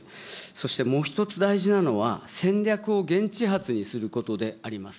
そしてもう一つ、大事なのは、戦略を現地発にすることであります。